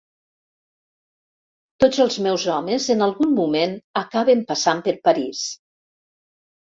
Tots els meus homes en algun moment acaben passant per París.